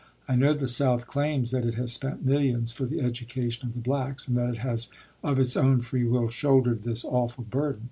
I know the South claims that it has spent millions for the education of the blacks, and that it has of its own free will shouldered this awful burden.